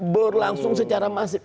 berlangsung secara masif